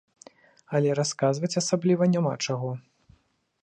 Але расказваць асабліва няма чаго.